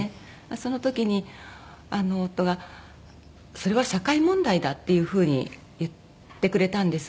その時に夫が「それは社会問題だ」っていう風に言ってくれたんです。